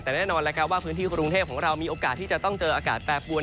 แต่แน่นอนแล้วครับว่าพื้นที่กรุงเทพของเรามีโอกาสที่จะต้องเจออากาศแปรปวน